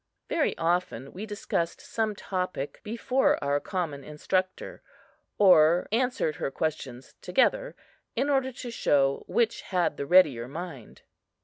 Very often we discussed some topic before our common instructor, or answered her questions together, in order to show which had the readier mind.